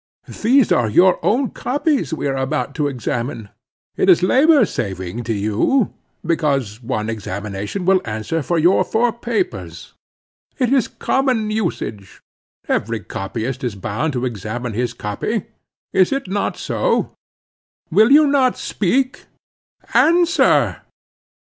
"These are your own copies we are about to examine. It is labor saving to you, because one examination will answer for your four papers. It is common usage. Every copyist is bound to help examine his copy. Is it not so? Will you not speak? Answer!"